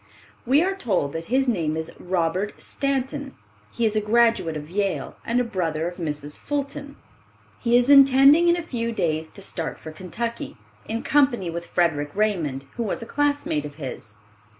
We are told that his name is Robert Stanton. He is a graduate of Yale and a brother of Mrs. Fulton, He is intending in a few days to start for Kentucky, in company with Frederic Raymond, who was a classmate of his.